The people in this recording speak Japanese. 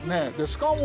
しかも。